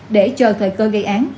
để chờ thời cơ gây án